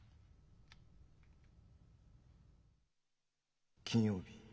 回想金曜日。